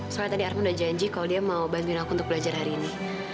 soalnya tadi aku udah janji kalau dia mau bantuin aku untuk belajar hari ini